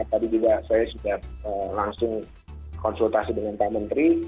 tadi juga saya sudah langsung konsultasi dengan pak menteri